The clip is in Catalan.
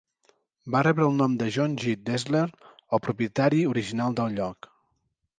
Va rebre el nom per John G. Deshler, el propietari original del lloc.